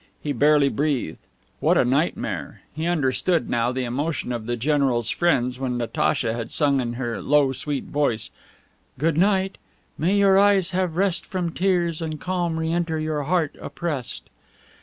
He barely breathed. What a nightmare! He understood now the emotion of the general's friends when Natacha had sung in her low, sweet voice, "Good night. May your eyes have rest from tears and calm re enter your heart oppressed."